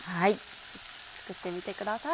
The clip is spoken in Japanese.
作ってみてください。